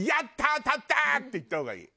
当たった！」って言った方がいい。